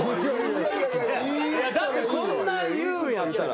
だってそんな言うんやったら。